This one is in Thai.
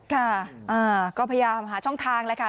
ค่ะก็พยายามหาช่องทางแล้วค่ะ